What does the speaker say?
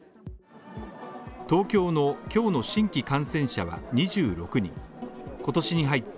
東京の今日の新規感染者は２６人、今年に入って